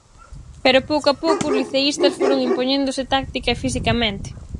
Pero pouco a pouco os liceístas foron impoñéndose táctica e fisicamente.